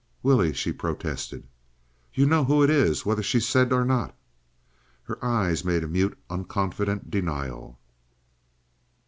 "Willie!" she protested. "You know who it is, whether she said or not?" Her eyes made a mute unconfident denial.